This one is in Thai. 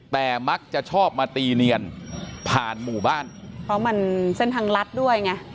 แต่มักจะชอบมาตีเนียนผ่านหมู่บ้านเพราะมันเส้นทางลัดด้วยไง